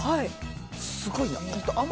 すごいな。